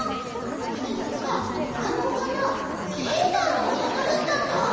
そっかあのお花セーターのお花だったんだ。